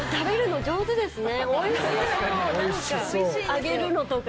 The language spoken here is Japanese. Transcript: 上げるのとか。